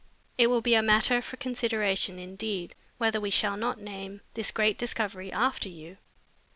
It will be a matter for consideration, indeed, whether we shall not name this great discovery after you."